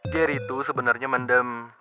ger itu sebenernya mendem